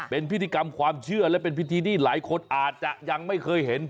เป็นพิธีกรรมความเชื่อและเป็นพิธีที่หลายคนอาจจะยังไม่เคยเห็น